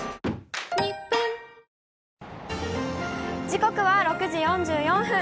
時刻は６時４４分。